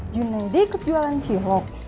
junaidi ikut jualan cihok